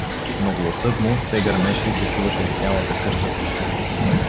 Но гласът му все гърмеше и се чуваше из цялата къща.